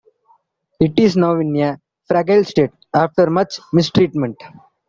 It is now in a fragile state after much mistreatment.